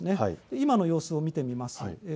今の様子を見てみます。